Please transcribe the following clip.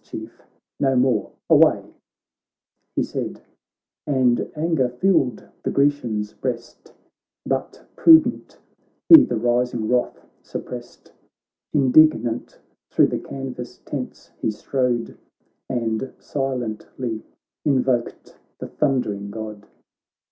Chief, no more, away !' He said, and anger filled the Grecian's breast, But prudent, he the rising wrath sup pressed ; Indignant, thro' the canvas tents he strode And silently invoked the thundering God.